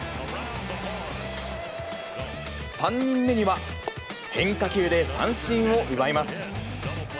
３人目には変化球で三振を奪います。